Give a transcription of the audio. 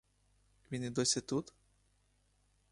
Він і досі тут?